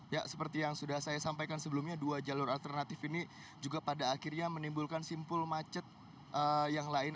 ya seperti yang sudah saya sampaikan sebelumnya dua jalur alternatif ini juga pada akhirnya menimbulkan simpul macet yang lain